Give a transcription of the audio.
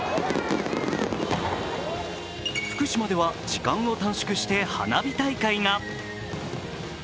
福島では時間を短縮して花火大会が。